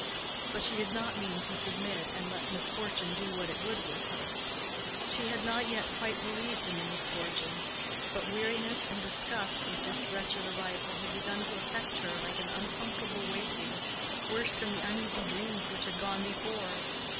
But she did not mean to submit, and let misfortune do what it would with her: she had not yet quite believed in the misfortune; but weariness and disgust with this wretched arrival had begun to affect her like an uncomfortable waking, worse than the uneasy dreams which had gone before.